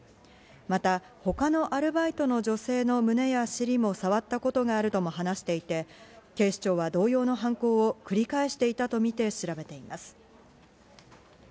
また、他のアルバイトの女性の胸や尻もさわったことがあるとも話していて、警視庁は同様の犯行を繰り返していたとみて調べています。